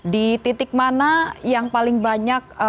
di titik mana yang paling banyak